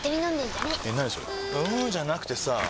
んーじゃなくてさぁ